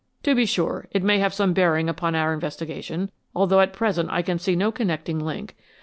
"To be sure, it may have some bearing upon our investigation, although at present I can see no connecting link.